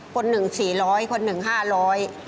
คนหนึ่งสี่ร้อยคนหนึ่งห้าร้อย